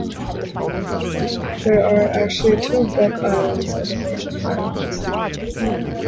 There are actually two Buck Islands in the Virgin Islands.